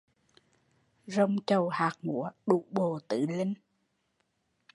Rồng chầu hạc múa đủ bộ tứ linh